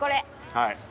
はい。